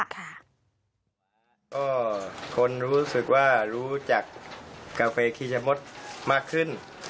ก็คนรู้สึกว่ารู้จักกาเฟคีชะมดมากขึ้น